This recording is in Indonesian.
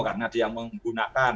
karena dia menggunakan